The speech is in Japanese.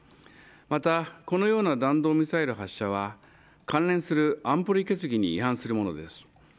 またこのような弾道ミサイル発射は関連する安保理決議に違反するものです。